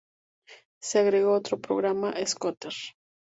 Se agregó otro programa, Scooter.